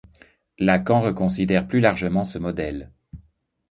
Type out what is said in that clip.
Lacan reconsidère plus largement ce modèle.